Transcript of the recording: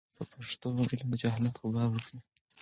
په پښتو علم د جهالت غبار ورکوي.